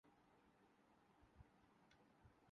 وہ صرف نظری ابہام پیدا کرتے ہیں۔